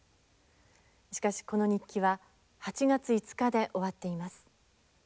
しかしこの日記は８月５日で終わっています。